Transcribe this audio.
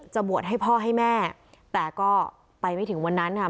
บวชให้พ่อให้แม่แต่ก็ไปไม่ถึงวันนั้นค่ะ